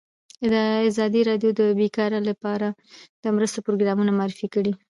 ازادي راډیو د بیکاري لپاره د مرستو پروګرامونه معرفي کړي.